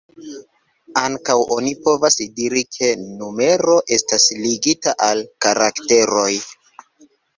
Ankaŭ oni povas diri ke numero estas ligita al karakteroj.